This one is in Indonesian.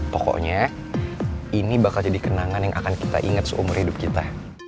pokoknya ini bakal jadi kenangan yang akan kita ingat seumur hidup kita